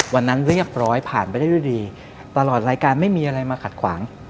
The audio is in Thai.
วันนั้นเรียบร้อยผ่านไปได้ด้วยดีตลอดรายการไม่มีอะไรมาขัดขวาง